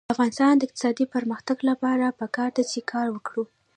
د افغانستان د اقتصادي پرمختګ لپاره پکار ده چې کار وکړو.